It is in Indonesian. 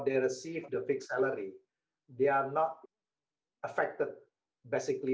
mereka menghabiskan uang untuk membeli biker